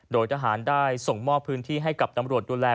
โดยทหารได้ส่งมอบพื้นที่ให้กับตำรวจดูแล